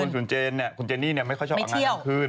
แต่คุณเจนเนี่ยคุณเจนเนี่ยไม่ค่อยชอบออกงานตรงคืน